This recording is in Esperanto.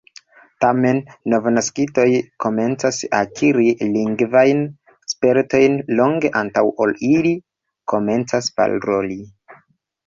Tamen, novnaskitoj komencas akiri lingvajn spertojn longe antaŭ ol ili komencas paroli.